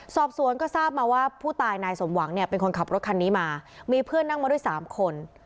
สอบสวนก็ทราบมาว่าผู้ตายนายสมหวังเนี่ยเป็นคนขับรถคันนี้มามีเพื่อนนั่งมาด้วยสามคน